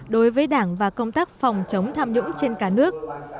đối với đảng và công tác phòng chống tham nhũng trên cả nước